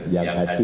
yang hadir disini